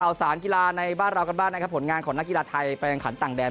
เฉพาะศาลกีฬาในบ้านครับครับหลังผลงานของนักกีฬาไทยแปลงขันต่างแดน